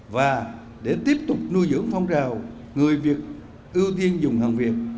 và để tiếp tục nuôi dưỡng phong trào người việt ưu tiên dùng hàng việt